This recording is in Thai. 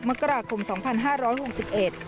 มกราคมสองพันห้าร้อยหกสิบเอ็ด